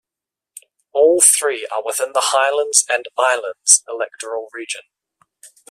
All three are within the Highlands and Islands electoral region.